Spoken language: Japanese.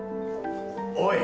おい。